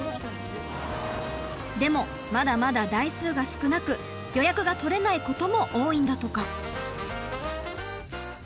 でもまだまだ台数が少なく予約が取れないことも多いんだとか。